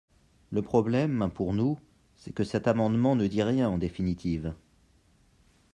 Le problème, pour nous, c’est que cet amendement ne dit rien en définitive.